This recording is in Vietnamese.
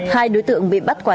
hai đối tượng bị bắt quả tăng